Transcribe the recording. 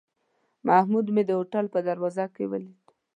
محمود مې د هوټل په دروازه کې ولید.